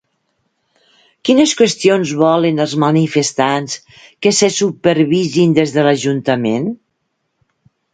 Quines qüestions volen els manifestants que se supervisin des de l'ajuntament?